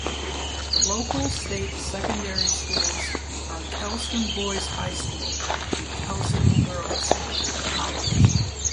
The local State secondary schools are Kelston Boys' High School and Kelston Girls' College.